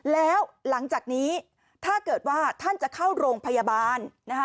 แล้วหลังจากนี้ถ้าเกิดว่าท่านจะเข้าโรงพยาบาลนะคะ